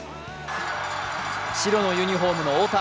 白のユニフォームの太田。